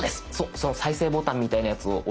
その再生ボタンみたいなやつを押して頂くと。